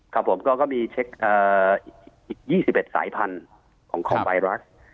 ครับผมก็มีเช็คอีก๒๑สายพันธุ์ของคอมไวรัส